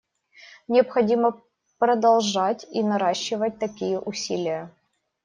Необходимо продолжать и наращивать такие усилия.